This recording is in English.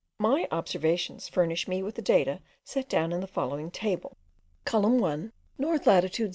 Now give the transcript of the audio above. My observations furnished me with the data, set down in the following table: Column 1: North latitude.